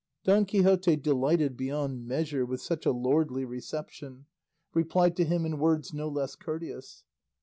Don Quixote delighted beyond measure with such a lordly reception, replied to him in words no less courteous.